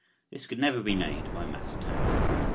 This could never be made by mass attack.